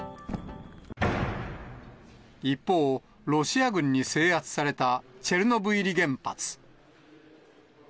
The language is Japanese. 一方、ロシア軍に制圧されたチェルノブイリ原発。